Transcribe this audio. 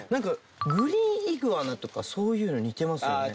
グリーンイグアナとかそういうのに似てますね。